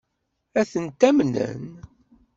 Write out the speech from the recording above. Ad ten-amnen?